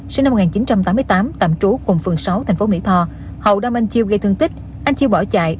sinh năm một nghìn chín trăm tám mươi tám tạm trú cùng phường sáu tp mỹ tho hậu đâm anh chiêu gây thương tích anh chiêu bỏ chạy